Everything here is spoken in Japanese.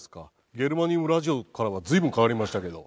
ゲルマニウムラジオからは随分変わりましたけど。